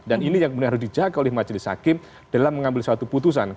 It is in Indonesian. dan ini yang harus dijaga oleh majelis hakim dalam mengambil suatu putusan